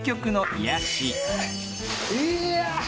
いや。